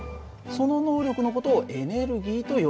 その能力の事をエネルギーと呼んでるんだ。